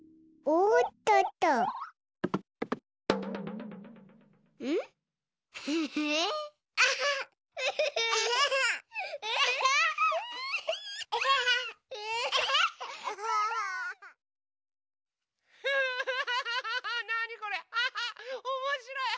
おもしろい！